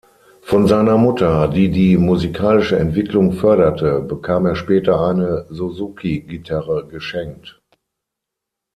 Von seiner Mutter, die die musikalische Entwicklung förderte, bekam er später eine Suzuki-Gitarre geschenkt.